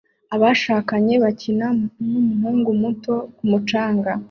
Abashakanye bakina numuhungu muto ku mucanga